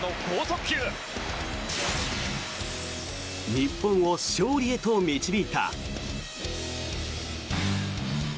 日本を勝利へと導いた。